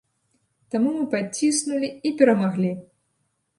Таму мы падціснулі і перамаглі.